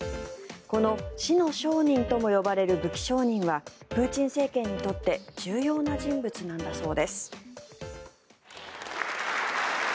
この死の商人とも呼ばれる武器商人はプーチン政権にとって重要な人物なんだそうです。